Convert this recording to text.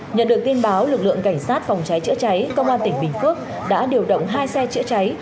nhận được tin báo lực lượng cảnh sát phòng cháy chữa cháy công an tỉnh bình phước đã điều động hai xe chữa cháy